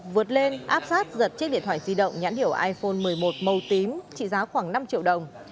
vượt lên áp sát giật chiếc điện thoại di động nhãn hiểu iphone một mươi một màu tím trị giá khoảng năm triệu đồng